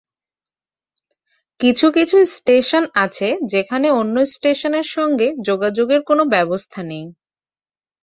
কিছু কিছু স্টেশন আছে, যেখানে অন্য স্টেশনের সঙ্গে যোগাযোগের কোনো ব্যবস্থা নেই।